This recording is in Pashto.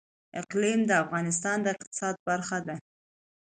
اقلیم د افغانستان د اقتصاد برخه ده.